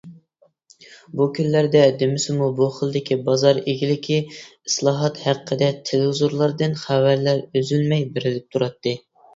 بۇ كۈنلەردە دېمىسىمۇ بۇ خىلدىكى بازار ئىگىلىكى، ئىسلاھات ھەققىدە تېلېۋىزورلاردىن خەۋەرلەر ئۈزۈلمەي بېرىلىپ تۇراتتى.